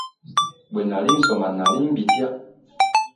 Bwe nnali nsoma nali mbitya.